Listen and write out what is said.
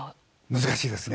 難しいですね。